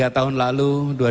tiga tahun lalu